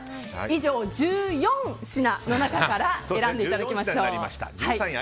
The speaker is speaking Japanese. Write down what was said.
以上１４品の中から選んでいただきましょう。